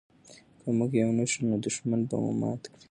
که موږ یو نه شو نو دښمن به مو مات کړي.